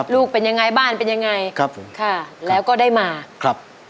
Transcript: ลูกเป็นอย่างไรบ้านเป็นอย่างไรแล้วก็ได้มาครับ